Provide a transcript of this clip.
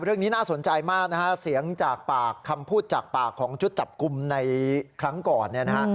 เรื่องนี้น่าสนใจมากนะฮะเสียงจากปากคำพูดจากปากของชุดจับกลุ่มในครั้งก่อนเนี่ยนะฮะ